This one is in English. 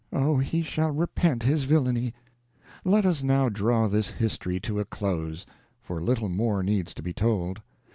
Oh, he shall repent his villainy!" Let us now draw this history to a close, for little more needs to be told.